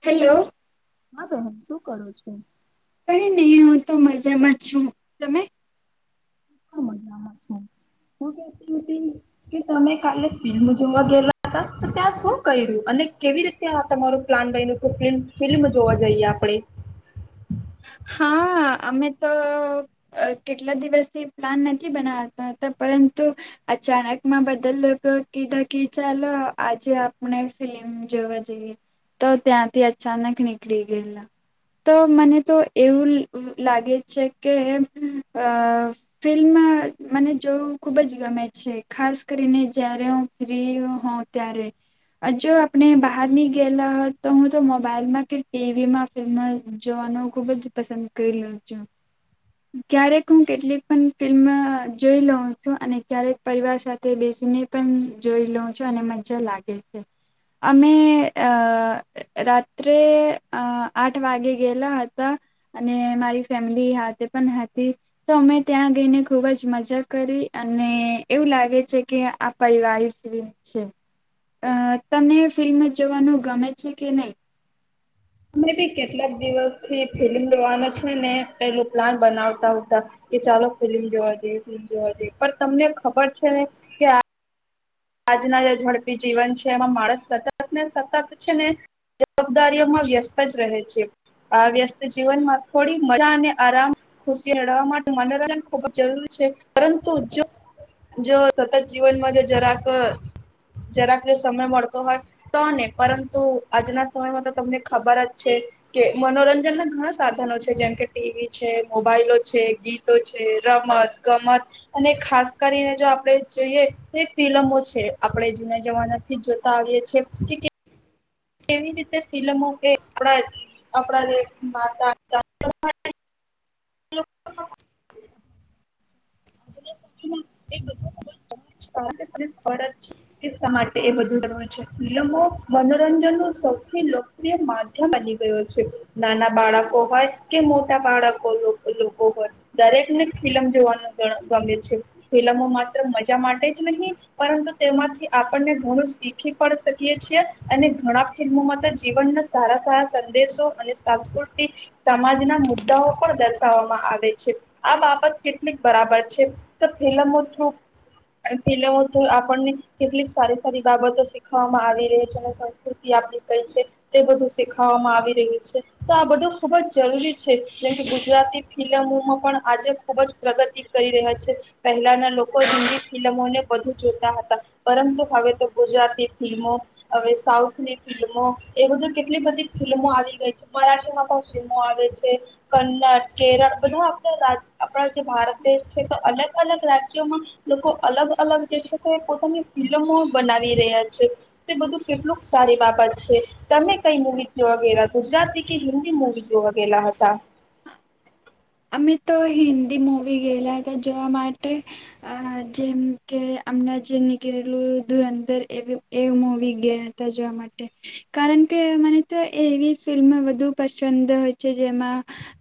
Hello. હા બેહેન શું કરું છું. કઈ નહી હું તો મજામાં જ છું તમે. હું કે તમે કાલે ફિલ્મ જોવા ગયલા હતા તો ત્યાં શું કર્યું અને કેવી રીતે તમારું પ્લાન બાઈ ન ફિલ્મ જોવા જઈએ આપણે. હા અમે તો કેટલા દિવસથી પ્લાન નથી બનાવતા હતા પરંતુ અચાનક માં બધા લોકો કીધા કે ચાલો આજે આપણે ફિલ્મ જોવા જઈએ તો ત્યાંથી અચાનક નીકળી ગયેલા તો મને તો એવું લાગે છે કે અ ફિલ્મ મને જોવું ખૂબ જ ગમે છે ખાસ કરીને જય્યારે હું ફ્રી હોઉ ત્યારે જો આપણે બહારની ગયેલા હોત તો હું તો મોબાઈલમાં કે ટીવીમાં ફિલ્મ જોવાનું ખૂબ જ પસંદ કર્યો છું ક્યારેક હું કેટલીક પણ ફિલ્મ જોઈ લઉં છું અને ક્યારેક પરિવાર સાથે બેસીને પણ જોઈ લઉં છું અને મજા લાગે છે અમે અ રાત્રે આ આઠ વાગે ગયેલા હતા અને મારી ફેમિલી હાથે પણ હતી તો અમે ત્યાં ગઈને ખૂબ જ મજા કરી અને એવું લાગે છે કે આ પરિવારિક ફિલ્મ છે અ તમને ફિલ્મ જ જોવાનું ગમે છે કે નહીં? અમે બી કેટલાક દિવસ થી ફિલ્મ જોવાનો છે ને પેલું પ્લાન બનાવતા હુતા કે ચાલો ફિલ્મ જોવા જઈએ એ ફિલ્મ જોવા જઈએ પણ તમને ખબર છે ને કે આ આજના જે ઝડપી જીવન છે એમાં માણસ સતત ને સતત છે ને જવાબદારીઓમાં વ્યસ્ત જ રહે છે આ વ્યસ્ત જીવનમાં થોડી મજા અને આરામ ખુશી મેળવવા માટે મનોરંજન ખૂબ જ જરૂરી છે પરંતુ જો જો સતત જીવનમાં જો જરા જરાક જરાકને સમય મળતો હોય તોને પરંતુ આજના સમયમાં તો તમને ખબર જ છે કે મનોરંજન ના ઘણા સાધનો છે જેમ કે ટીવી છે મોબાઈલો છે ગીતો છે રમત ગમત અને ખાસ કરીને જો આપણે જોઈએ ફિલ્લમ છે આપડણે જુના જમાના થી જ જોતા આવીએ છીએ કે કેવી રીતે ફિલમો કે આપ આપણા જે માતા હલો [unintelligible] ફરજ એ માટે બધું જ છે ફિલમો મનોરંજન ન સૌથી લોકપ્રિય માધ્યમ બની ગયો છે નાના બાળકો હોય કે મોટા બાળકો લોકો હોય દરેક ને ફિલમ જોવાનું. ગમે છે ફિલ્મો માત્ર મજા માટે જ નહીં પરંતુ તેમાંથી આપણને ઘણું શીખી પણ શકીએ છીએ અને ઘણા ફિલ્મોમાં તો જીવનના સારા સારા સંદેશો અને સાંસ્કૃતિક સમાજ ના મુદ્દાઓ પણ દર્શાવવામાં આવે છે આ બાબત કેટલીક બરાબર છે તો ફિલ્લમો થ્રુ ફિલ્લમો થ્રુ આપણને કેટલીક સારી સારી બાબતો શીખવામાં આવી રહી છે અને સંસ્કૃતિ આપડી કઈ છે તે બધું શીખવામાં આવી રહ્યું છે તો આ બધું ખૂબ જ જરૂરી છે જેમ કે ગુજરાતી ફિલ્લમોમાં પણ આજે ખૂબ જ પ્રગતિ કરી રહ્યા છે પહેલાના લોકો હિન્દી ફિલ્મોને બધુ જોતા હતા પરંતુ હવે તો ગુજરાતી ફિલ્મો હવે સાઉથની ફિલ્મો એ બધું કેટલી બધી ફિલ્મો આવી ગઈ છે મરાઠીમાં પણ ફિલ્મો આવે છે કન્નડ કેરળ બધા આપણા આપણા ભારત દેશ છે તો અલગ અલગ રાજ્યોમાં લોકો અલગ અલગ જે છે તે પોતાની ફિલ્લમો બનાવી રહ્યા છે તે બધું કેટલુંક સારી બાબત છે તમે કઈ મુવી જોવા ગેલા ગુજરાતી કે હિન્દી મુવી જોવા ગેલા હતા. અમે તો હિન્દી મવી ગયેલા હતા જોવા માટે જેમ કે અમણાં જે નીકળેલું ધૂર અંદર એ એ મવી ગયા હતા જોવા માટે કારણ કે મને તો એવી ફિલ્મ વધુ પસંદ હોય છે જેમાં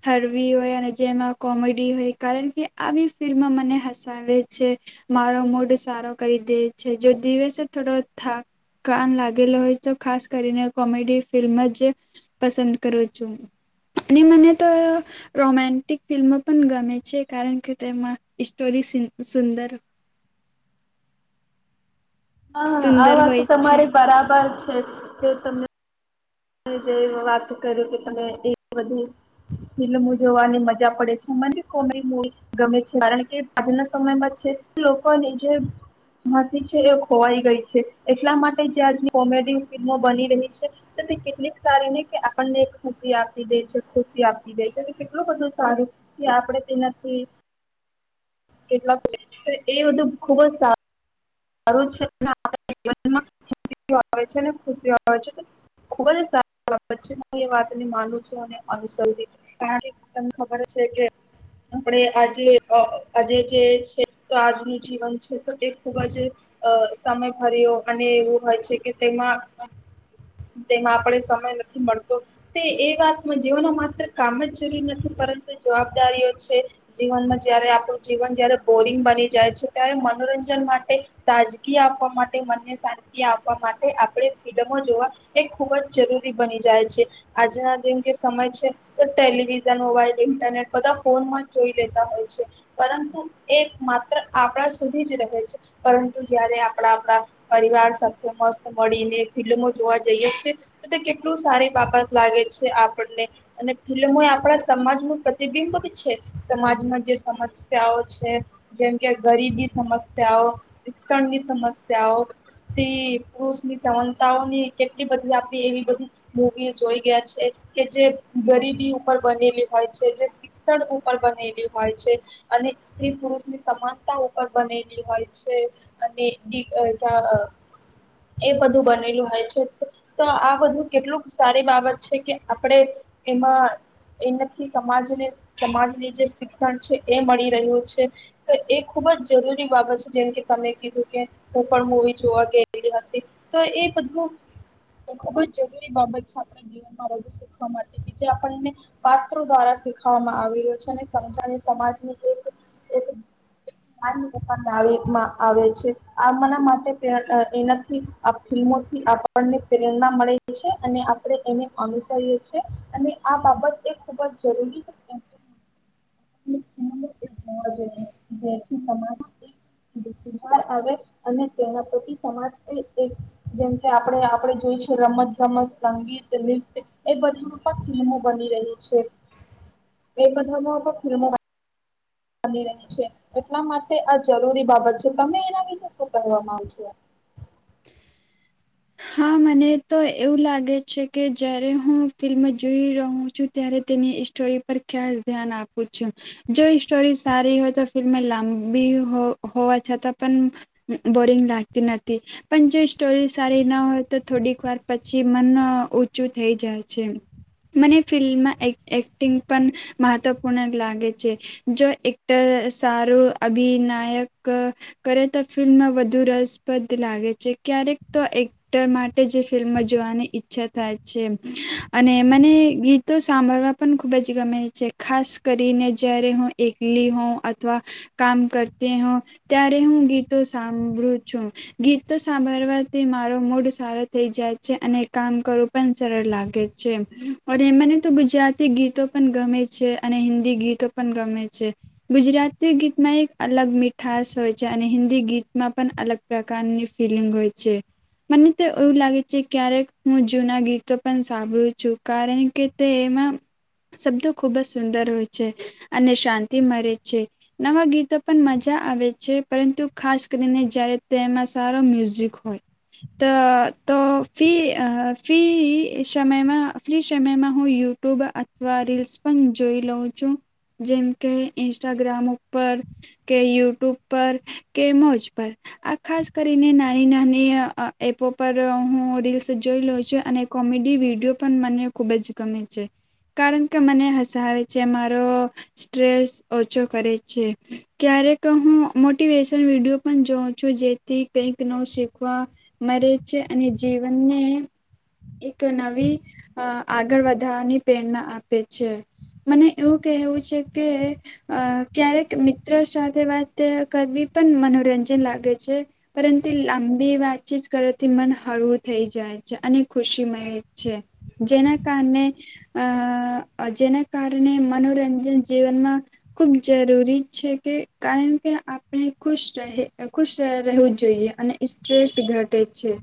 હરવી હોય અને જેમાં કોમેડી હોય કારણ કે આવી ફિલ્મ મને હસાવે છે મારો મૂડ સારો કરી દે છે જો દિવસે થોડો થાકાન લાગેલો હોય તો ખાસ કરીને કોમેડી ફિલ્મ જ પસંદ કરું છું અને મને તો રોમેન ટીક ફિલ્મ પણ ગમે છે કારણ કે તેમાં સ્ટોરી સુંદર હા સુંદર આ વાત તો હોય છે. તમારે બરાબર છે. છે કે તમને જે વાત કર કે તમે એ બધું ફિલ્મો જોવાની મજા પડે છે, કોમેડી મુવી ગમે છે કારણ કે આજના સમયમાં છે લોકોની જે હસી છે એ ખોવાઈ ગઈ છે એટલા માટે જ કોમેડી ફિલ્મો બની રહી છે. કેટલીક સારી નહી કે આપણને ખુશી આપી દે છે ખુશી આપી દે છે કેટલું બધું સારું કે આપડે તેનાથી કેટલા [unintelligible] એ બધું ખુબ જ સારું. [unintelligible] આજનું જીવન છે એ ખુબ જ, અ સમય ભર્યો અને એવું હોય છે, કે તેમાં તેમાં આપણે સમય નથી મળતો, તે એ વાત જીવનમાં માત્ર કામ જ જરૂરી નથી પરંતુ જવાબદારીઓ છે. જીવનમાં જયારે આપણું જીવન જયારે બોરિંગ બની જાય છે ત્યારે મનોરંજન માટે તાજગી આપવા માટે, મનને શાંતિ આપવા માટે આપણે ફિલ્ડમો જોવા એ ખૂબ જ જરૂરી બની જાય છે. આજના જેમ કે સમય છે તો ટેલિવિઝન, મોબાઈલ, ઇન્ટરનેટ બધા ફોનમાં જ જોઈ લેતા હોય છે પરંતુ એ માત્ર આપણા સુધી જ રહે છે. પરંતુ જયારે આપણા આપણા પરિવાર સાથે મસ્ત મળીને ફિલ્મો જોવા જઈએ છે. એ તો કેટલું સારી બાબત લાગે છે આપણને અને ફિલ્મો આપણા સમાજ નું પ્રતિબિંબ છે. સમાજમાં જે સમસ્યાઓ છે જેમ કે ગરીબી સમસ્યાઓ શિક્ષણની સમસ્યાઓ, પુરુષ ની સમાનતાઓની કેટલી બધી આપડી એવી બધી મૂવી જોઈ ગયા છે, કે જે ગરીબી ઉપર બનેલી હોય છે, જે શિક્ષણ ઉપર બનેલી હોય છે અને એ પુરુષની સમાનતા ઉપર બનેલી હોય છે. તે અને [unintelligible] એ બધું બનેલું હોય છે તો આ બધું કેટલુંક સારી બાબત છે કે આપણેે એમાં એનાથી સમાજને સમાજને જે શિક્ષણ છે એ મળી રહ્યું છે તો એ ખુબ જ જરૂરી બાબત જેમકે તમે કીધું કે હું પણ મૂવી જોવા ગયલી હતી તો એ બધું ખુબ જ જરૂરી બાબત છે. આપણા જીવનમાં વધુ શીખવા માટે બીજી આપણને પાત્રો દ્વારા શીખવામાં આવે રહ્યો છે અને સમજાવી સમાજની એક આ વીકમાં આવે છે. આમના માટે એનાથી આ ફમોથી આપણને પ્રેરણા મળે છે, અને આપ એને અનુસરીએ છીએ અને આ બાબત એ ખુબ જ જરૂરી આવે અને તેના પ્રતિ સમાજ એ એક જેમ કે આપણે આપણે જોઈ છે રમત ગમત સંગીત નૃત્ય એ બધામાં પણ ફિલ્મો બની રહી છે, એ બધામાં પણ ફિલ્મો. બની રહી છે એટલા માટે આ જરૂરી બાબત છે તમે એના વિશે શું કહેવા માંગો છો. હા મને તો એવું લાગે છે કે જયારે હું ફિલ્મ જોઈ રહું છું, ત્યારે તેની સ્ટોરી પર ખ્યાાસ ધ્યાન આપું છું જો સ્ટોરી સારી હોય તો ફિલ્મ લાંબી હોવા છતાં પણ બોરિંગ લાગતી નથી. પણ જો સ્ટોરી સારી ન હોય તો થોડીક વાર પછી મન ઊંચું થઈ જાય છે. મને ફિલ્મમાં એક્ટિંગ પણ મહત્વપૂર્ણ લાગે છે, જો એક્ટર સારું અભિનાયક કરે તો ફિલ્મમાં વધુ રસપ્રદ લાગે છે. ક્યારેક તો તે માટે ફિલ્મો જોવાની ઈચ્છા થાય છે અને મને ગીતો સાંભળવા પણ ખુબ જ ગમે છે, ખાસ કરીને જય્યારે હું એકલી હોં અથવા કામ કરતી હો ત્યારે હું ગીતો સાંભળું છું ગીતો સાંભળવાથી મારો મૂડ સારો થઈ જાય છે અને કામ કરવું પણ સરળ લાગે છે. મને તો ગુજરાતી ગીતો પણ ગમે છે અને હિન્દી ગીતો પણ ગમે છે. ગુજરાતી ગીતમાં એક અલગ મીઠાસ હોય છે અને હિન્દી ગીતમાં પણ અલગ પ્રકારની ફિલિંગ હોય છે. મને તો એવું લાગે છે, ક્યારેક હું જૂના ગીતો પણ સાંભળું છું કારણ કે તે એમાં શબ્દો ખુબ જ સુંદર હોય છે અને શાંતિ મળરે છે નવા ગીતો પણ મજા આવે છે પરંતુ ખાસ કરીને જય્યારે તેમાં સારો મ્યુઝિક હોય. અ તો ફી ફી સમયમાં, ફ્રી સમયમાં હું યુટ્યુબ અથવા રીલ્સ પણ જોઈ લઉં છું, જેમ કે ઇન્સ્ટાગ્રામ ઉપર કે, યુટ્યુબ પર કે, મોજ પર આ ખાસ કરીને નાની નાની એપો પર હું રીલ્સ જોઈ લઉ છું અને કોમેડી વિડીયો પણ મને ખુબ જ ગમે છે, કારણ કે મને હસાવે છે, મારો સ્ટ્રેસ ઓછો કરે છે ક્યારેક હું મોટિવેશન વિડીયો પણ જોઉં છું. જેથી કઈક નવું શીખવા મરે છે અને જીવનને એક નવી આગળ વધારવાની પ્રેરણા આપે છે મને એવું કહેવું છે, કે ક્યારેક મિત્ર સાથે વાત કરવી પણ મનોરંજન લાગે છે, પરંતુ લાંબી વાતચીત કરવાથી મન હળવું થઈ જાય છે, અને ખુશી મળે છે જેના કારણે જેના કારણે મનોરંજન જીવનમાં ખુબ જરૂરી છે કે કારણ કે આપણે ખુશ રહે ખુશ રહેવું જોઈએ અને સ્ટ્રેસ ઘટ છે.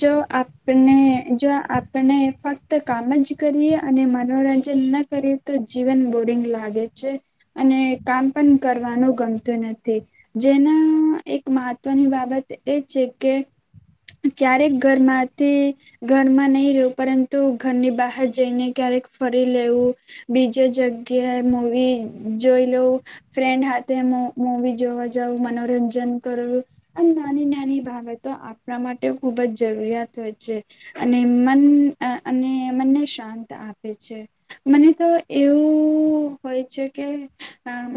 જો આપણે જો આપણે ફક્ત કામ જ કરીએ અને મનોરંજન ના કરીએ તો જીવન બોરિંગ લાગે છે અને કામ પણ કરવાનું ગમતું નથી જેના એક મહત્વની બાબત એ છે કે ક્યારેક ઘરમાંથી ઘરમાં નહી રવું પરંતુ ઘરની બહાર જઈને ક્યારેક ફરી લેવું, બીજે જગ્યાએ મવી જોઈ લેવું, ફ્રેન્ડ હાથે મવી જોવા જવું, મનોરંજન કરવું અને નાની નાની બાબતો આપ આપણા માટે ખૂબ જ જરૂરિયાત હોય છે, અને મન અને મનને શાંત આપે છે. મને તો એવું હોય છે કે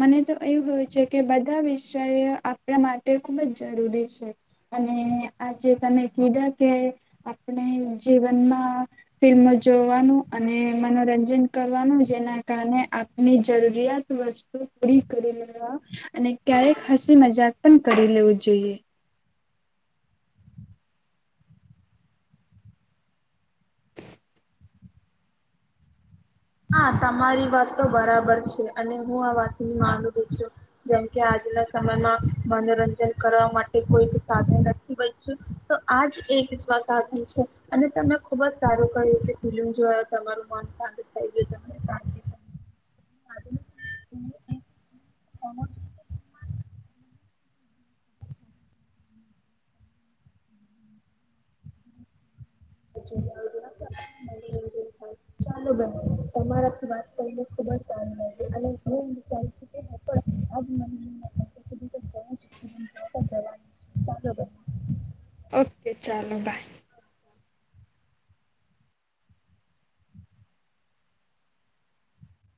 મને તો એવું હોય છે કે બધા વિષયો આપણા માટે ખૂબ જ જરૂરી છે. અને આજે તમે કીધા કે આપણે જીવનમાં ફિલ્મો જોવાનું અને મનોરંજન કરવાનું જેના કારણે આપની જરૂરિયાત વસ્તુ પૂરી કરી લેવા અને ક્યારેક હસી મજાક પણ કરી લેવું જોઈએ. હા તમારી વાત તો બરાબર છે અને હું આ વાતની માનું છું જેમકે આજના સમયમાં મનોરંજન કરવા માટે કોઈ સાધન નથી બચ્યું તો આજ એક જ આ સાધન છે અને તમે ખુબ જ સારું કર્યું કે ફિલ્મ જોવાનું તમારું મન થા શાંતિ મનોરંજન થાય ચાલો બેન તમારાથી વાત કરીને ખુબ જ સારુ લાગે અને હું વિચારી કે હું પણ આ જ મનોરંજનના પૈસા સુધી તો જઉં જ છું જવાનું છે ચાલો બેન ઓકે ચાલો બાય.